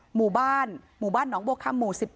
หมู่บ้านหมู่บ้านหนองบัวคำหมู่๑๑